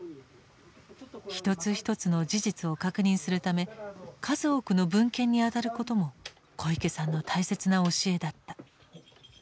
一つ一つの事実を確認するため数多くの文献にあたることも小池さんの大切な教えだった。